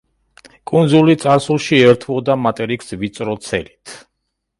კუნძული წარსულში ერთვოდა მატერიკს ვიწრო ცელით.